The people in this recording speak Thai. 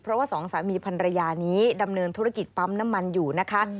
เพราะว่าสองสามีพันรยานี้ดำเนินธุรกิจปั๊มน้ำมันอยู่นะคะ